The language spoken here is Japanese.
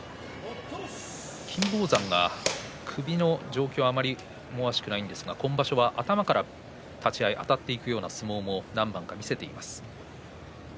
金峰山が首の状況があまり思わしくないんですが今場所は頭から立ち合いあたっていくような相撲も何番か見せています。